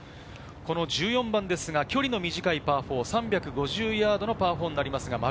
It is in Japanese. １４番ですが、距離の短いパー４、３５０ヤードのパー４です。